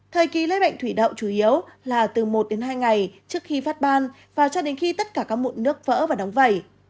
thời kỳ lây bệnh thủy đậu chủ yếu là từ một đến hai ngày trước khi phát ban và cho đến khi tất cả các mụn nước vỡ và đóng vẩy